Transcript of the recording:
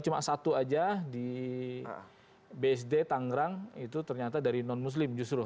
cuma satu aja di bsd tangerang itu ternyata dari non muslim justru